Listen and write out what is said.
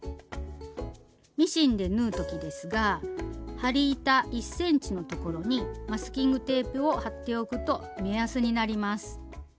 ミシンで縫う時ですが針板１ｃｍのところにマスキングテープを貼っておくと目安になります。